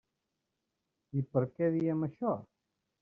I per què diem això?